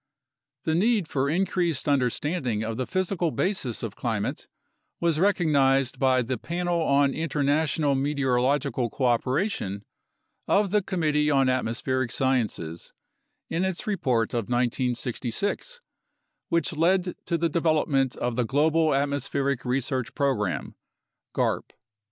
The need for increased understanding of the physical basis of climate was recognized by the Panel on International Meteorological Coopera tion of the Committee on Atmospheric Sciences in its report of 1966, which led to the development of the Global Atmospheric Research Pro gram (garp).